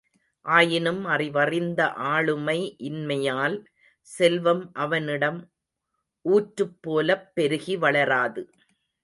ஆயினும் அறிவறிந்த ஆளுமை இன்மையால் செல்வம் அவனிடம் ஊற்றுப் போலப் பெருகி வளராது.